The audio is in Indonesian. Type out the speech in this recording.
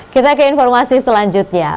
kita ke informasi selanjutnya